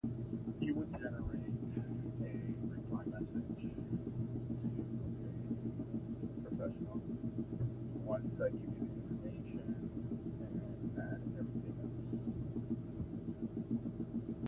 The formula can be obtained by use of dimensional analysis.